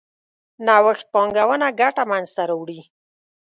نوښت پانګونه ګټه منځ ته راوړي.